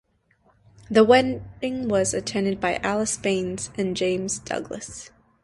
The wedding was attended by Alice Baines and James Douglas.